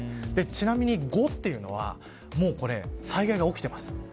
ちなみに、５というのはもう災害が起きています。